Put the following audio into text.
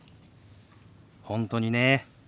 本当にね。